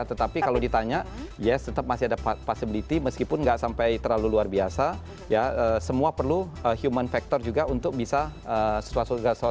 tetapi kalau ditanya yes tetap masih ada possibility meskipun nggak sampai terlalu luar biasa ya semua perlu human factor juga untuk bisa sesuatu